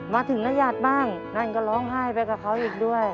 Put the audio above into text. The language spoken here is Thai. มาถึงนญาติบ้างนั่นก็ร้องไห้ไปกับเขาอีกด้วย